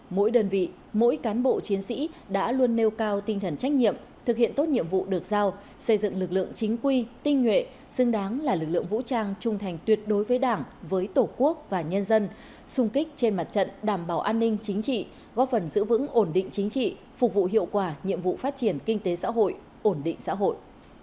mỗi đơn vị mỗi cán bộ chiến sĩ đã luôn nêu cao tinh thần trách nhiệm thực hiện tốt nhiệm vụ được giao xây dựng lực lượng chính quy tinh nguyện xứng đáng là lực lượng vũ trang trung thành tuyệt đối với đảng với tổ quốc và nhân dân sung kích trên mặt trận đảm bảo an ninh chính trị góp phần giữ vững ổn định chính trị phục vụ hiệu quả nhiệm vụ phát triển kinh tế xã hội ổn định xã hội